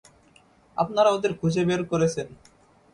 আপনারা ওদের খুঁজে বের করেছেন।